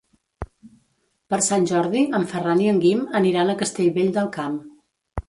Per Sant Jordi en Ferran i en Guim aniran a Castellvell del Camp.